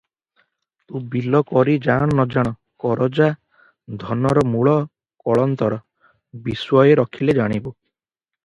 "ତୁ ବିଲ କରି ଜାଣ ନ ଜାଣ, କରଜା ଧନର ମୂଳ କଳନ୍ତର ବିଶ୍ଵଏ ରଖିଲେ, ଜାଣିବୁ।"